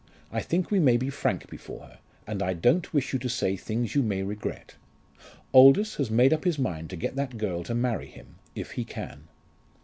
I think we may be frank before her, and I don't wish you to say things you may regret. Aldous has made up his mind to get that girl to marry him, if he can."